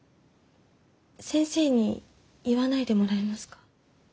先生に言わないでもらえますか？